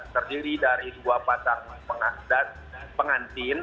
terdiri dari dua pasang pengantin